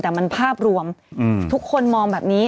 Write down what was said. แต่มันภาพรวมทุกคนมองแบบนี้